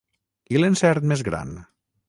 I l’encert més gran?